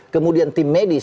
kemudian tim medis